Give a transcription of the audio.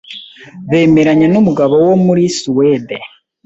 Bemeranya n’umugabo wo muri Suède